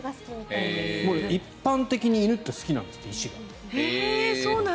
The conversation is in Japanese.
一般的に犬って石が好きなんですって。